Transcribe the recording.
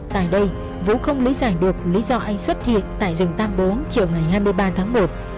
tại đây vũ không lý giải được lý do anh xuất hiện tại rừng tam bố chiều ngày hai mươi ba tháng một